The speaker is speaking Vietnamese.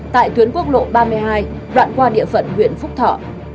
tại tuyến quốc lộ ba mươi hai đoạn qua địa phận huyện phúc thọ